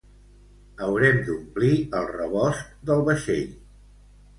Haurem d'omplir el rebost del vaixell